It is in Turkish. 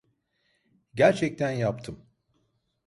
Gerçekten yaptım.